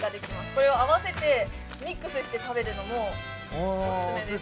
これを合わせてミックスして食べるのもオススメです